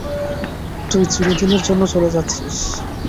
তুই চিরদিনের জন্য চলে যাচ্ছিস।